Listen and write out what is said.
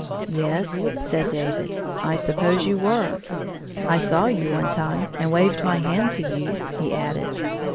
" Yes," said David, " I suppose you were. I saw you one time and waved my hand to you," he added.